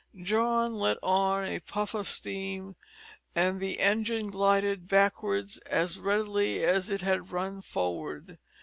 John let on a puff of steam, and the engine glided backwards as readily as it had run forward.